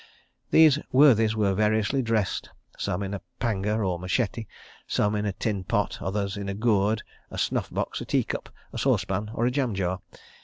These worthies were variously dressed, some in a panga or machete, some in a tin pot, others in a gourd, a snuff box, a tea cup, a saucepan or a jam jar.